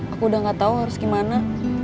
aku udah gak tahu harus kemana